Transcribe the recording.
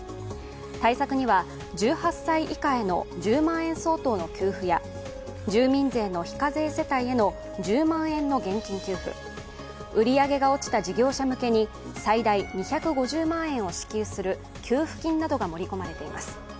対策には１８歳以下への１０万円相当の給付や住民税の非課税世帯への１０万円の現金給付、売り上げが落ちた事業者向けに最大２５０万円を支給する給付金などが盛り込まれています。